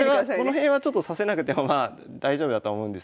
この辺はちょっと指せなくてもまあ大丈夫だとは思うんですけど。